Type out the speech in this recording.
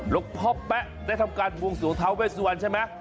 หลวงพ่อแป๊ะได้ทำการบวงสวงท้าเวสวันใช่ไหม